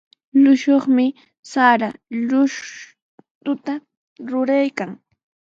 Llushumi sara llushtuta ruraykan.